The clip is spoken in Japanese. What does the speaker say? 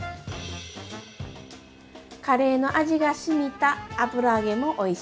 カレーの味がしみた油揚げもおいしいですよ。